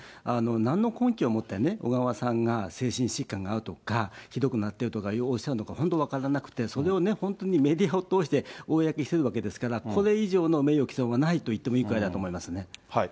なんの根拠をもってね、小川さんが精神疾患があるとか、ひどくなっているとかおっしゃるのか、本当、分からなくて、それをね、本当にメディアを通して公にしているわけですから、これ以上の名誉毀損はないといってもいいぐらいだと思いますね。